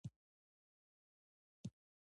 زراعت د افغانستان د ملي اقتصاد برخه ده.